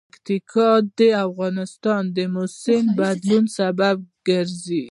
پکتیکا د افغانستان د موسم د بدلون سبب کېږي.